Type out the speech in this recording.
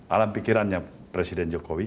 alam pikirannya presiden jokowi